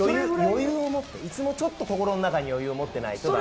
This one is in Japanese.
いつもちょっと心の中に余裕を持ってないとダメです。